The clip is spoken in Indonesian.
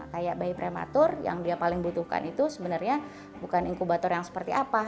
kayak bayi prematur yang dia paling butuhkan itu sebenarnya bukan inkubator yang seperti apa